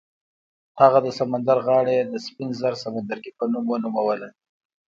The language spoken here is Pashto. هغه د سمندر غاړه یې د سپین زر سمندرګي په نوم ونوموله.